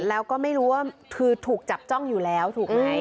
แล้วก็ไม่รู้ว่าคือถูกจับจ้องอยู่แล้วถูกไหม